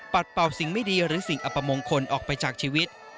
เป่าสิ่งไม่ดีหรือสิ่งอัปมงคลออกไปจากชีวิต